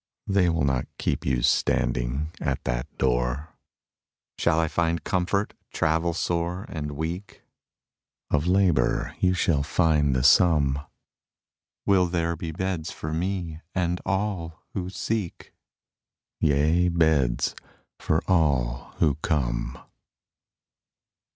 They will not keep you standing at that door. Shall I find comfort, travel sore and weak? Of labor you shall find the sum. Will there be beds for me and all who seek? Yea, beds for all who come.